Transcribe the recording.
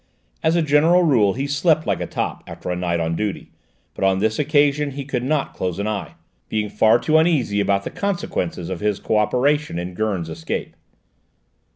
As a general rule he slept like a top, after a night on duty, but on this occasion he could not close an eye, being far too uneasy about the consequences of his co operation in Gurn's escape.